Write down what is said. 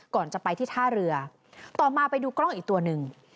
ก่อนจะไปที่ท่าเรือต่อมาไปดูกล้องอีกตัวหนึ่ง